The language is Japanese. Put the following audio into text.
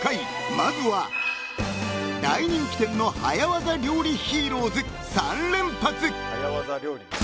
［まずは大人気店の早技料理ヒーローズ３連発！］